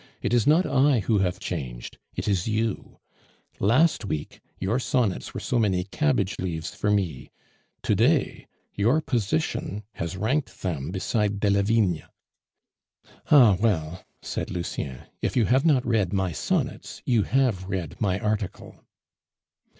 It is not I who have changed; it is you. Last week your sonnets were so many cabbage leaves for me; to day your position has ranked them beside Delavigne." "Ah well," said Lucien, "if you have not read my sonnets, you have read my article."